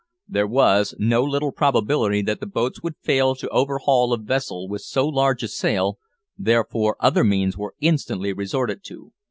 There was no little probability that the boats would fail to overhaul a vessel with so large a sail, therefore other means were instantly resorted to.